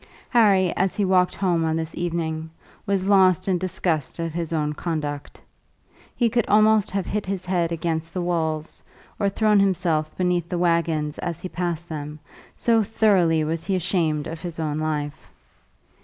Harry, as he walked home on this evening, was lost in disgust at his own conduct. He could almost have hit his head against the walls, or thrown himself beneath the waggons as he passed them, so thoroughly was he ashamed of his own life.